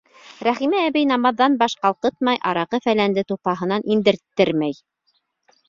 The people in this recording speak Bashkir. Рәхимә әбей намаҙҙан баш ҡалҡытмай, араҡы-фәләнде тупһаһынан индерттермәй.